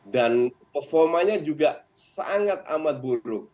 dan performanya juga sangat amat buruk